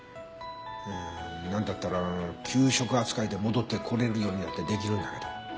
まあなんだったら休職扱いで戻ってこれるようにだって出来るんだけど。